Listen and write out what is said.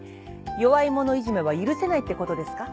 弱いものいじめは許せないってことですか？